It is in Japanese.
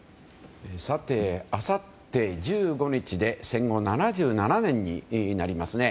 さて、あさって１５日で戦後７７年になりますね。